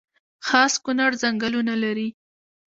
خاص کونړ ځنګلونه لري؟